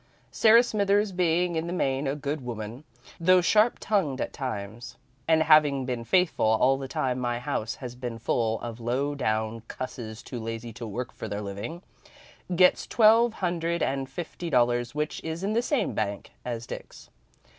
Sarah Smithers, being in the main a good woman, though sharp tongued at times, and having been faithful all the time my house has been full of lowdown cusses too lazy to work for their living, gets twelve hundred and fifty dollars which is in the same bank as Dick's.